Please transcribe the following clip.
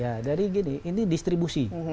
ya jadi gini ini distribusi